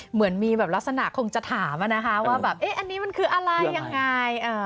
เหมือนมีแบบลักษณะคงจะถามว่าอันนี้มันคืออะไรยังไง